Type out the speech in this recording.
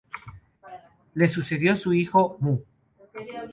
Le sucedió su hijo, Mu.